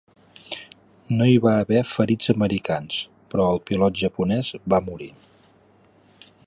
No hi va haver ferits americans, però el pilot japonès va morir.